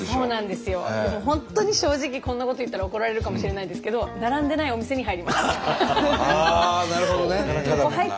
でも本当に正直こんなこと言ったら怒られるかもしれないんですけどああなるほどね。